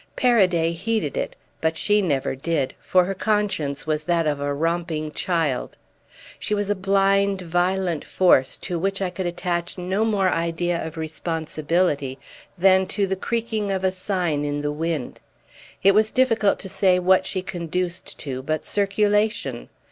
Paraday heeded it, but she never did, for her conscience was that of a romping child. She was a blind violent force to which I could attach no more idea of responsibility than to the creaking of a sign in the wind. It was difficult to say what she conduced to but circulation.